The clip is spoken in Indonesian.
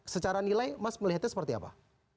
secara nilai mas melihatnya seperti apa